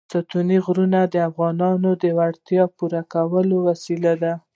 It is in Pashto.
ستوني غرونه د افغانانو د اړتیاوو د پوره کولو وسیله ده.